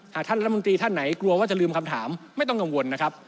ท่านรัฐมนตรีท่านไหนกลัวว่าจะลืมคำถามไม่ต้องกังวลนะครับ